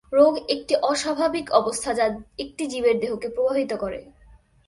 রোগ একটি অস্বাভাবিক অবস্থা যা একটি জীবের দেহকে প্রভাবিত করে।